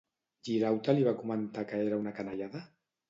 Girauta li va comentar que era una canallada?